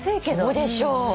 そうでしょう。